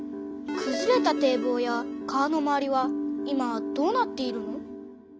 くずれた堤防や川の周りは今どうなっているの？